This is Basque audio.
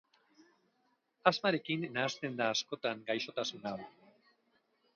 Asmarekin nahasten da askotan gaixotasun hau.